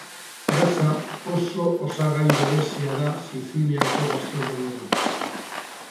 Gatza oso osagai berezia da Siziliako gastronomian.